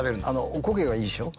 おこげがいいでしょう？